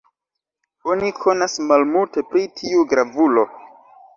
Oni konas malmulte pri tiu gravulo.